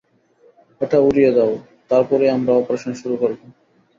এটা উড়িয়ে দাও, তারপরই আমরা অপারেশন শুরু করবো।